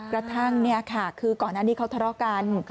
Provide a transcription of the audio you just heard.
กระทั่งเนี่ยค่ะคือก่อนอันนี้เขาทะเลาะกัน